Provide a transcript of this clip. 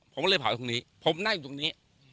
ผมเลยเผาตรงนี้